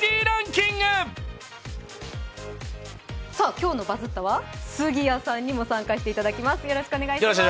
今日の「バズった」は杉谷さんにも参加してもらいます。